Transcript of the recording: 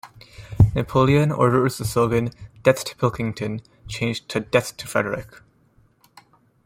Napoleon orders the slogan "Death to Pilkington" changed to "Death to Frederick".